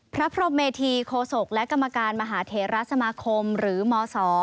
พระพรมเมธีโคศกและกรรมการมหาเทราสมาคมหรือมศ